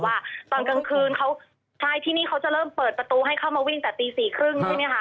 ว่าตอนกลางคืนที่นี่เขาจะเริ่มเปิดประตูให้เข้ามาวิ่งแต่ตี๔๓๐ใช่ไหมคะ